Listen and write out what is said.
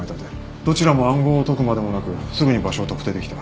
どちらも暗号を解くまでもなくすぐに場所を特定できた。